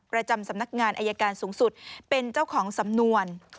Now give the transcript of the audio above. ประจำสำนักงานอายการสูงสุดเป็นเจ้าของสำนวน